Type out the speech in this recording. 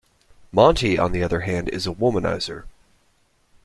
Monte, on the other hand, is a womanizer.